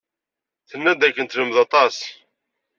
Tenna-d dakken telmed-d aṭas.